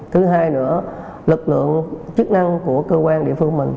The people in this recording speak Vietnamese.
thứ hai nữa lực lượng chức năng của cơ quan địa phương mình